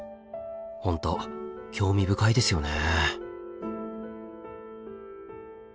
本当興味深いですよね。